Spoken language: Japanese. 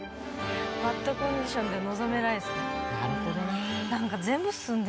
バッドコンディションで臨めないですね。